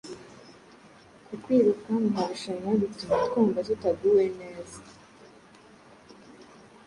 ku kwiruka mu marushanwa bituma twumva tutaguwe neza.